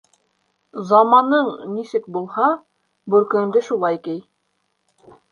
Заманың нисек булһа, бүркеңде шулай кей.